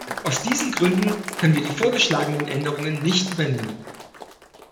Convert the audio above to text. Aus diesen Gründen können wir die vorgeschlagenen Änderungen nicht übernehmen.